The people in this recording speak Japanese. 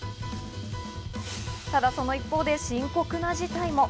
ただその一方で深刻な事態も。